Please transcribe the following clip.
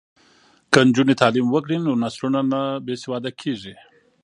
که نجونې تعلیم وکړي نو نسلونه نه بې سواده کیږي.